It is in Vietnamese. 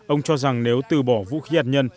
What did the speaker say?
ông cho rằng nếu từ bỏ vũ khí hạt nhân